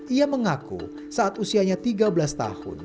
ia mengaku saat usianya tiga belas tahun